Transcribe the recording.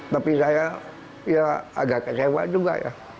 tapi saya agak kecewa juga